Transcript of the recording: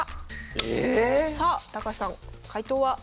ええ⁉さあ高橋さん解答は？